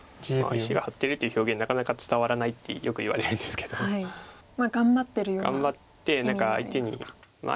「石が張ってる」っていう表現なかなか伝わらないってよく言われるんですけど。頑張ってるような意味がありますか。